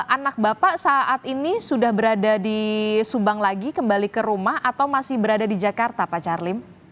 anak bapak saat ini sudah berada di subang lagi kembali ke rumah atau masih berada di jakarta pak charlim